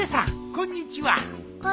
こんにちは。